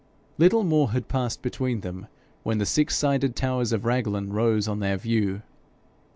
Little more had passed between them when the six sided towers of Raglan rose on their view.